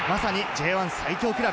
まさにＪ１最強クラブ。